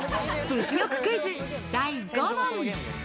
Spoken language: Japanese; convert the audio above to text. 物欲クイズ第５問。